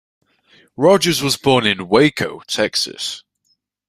Rogers was born in Waco, Texas.